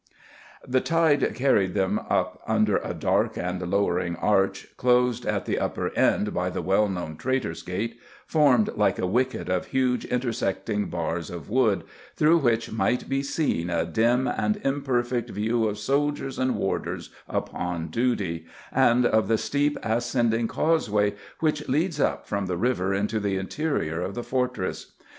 "The tide carried them up under a dark and lowering arch, closed at the upper end by the well known Traitor's Gate, formed like a wicket of huge intersecting bars of wood, through which might be seen a dim and imperfect view of soldiers and warders upon duty, and of the steep ascending causeway which leads up from the river into the interior of the fortress.